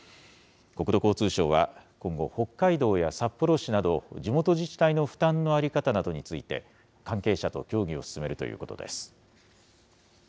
国土交通省は今後、北海道や札幌市など、地元自治体の負担の在り方などについて、関係者と協議を進めるということです。